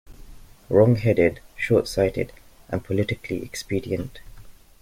Wrongheaded, shortsighted, and politically expedient.